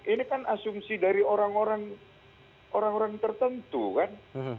ini kan asumsi dari orang orang tertentu kan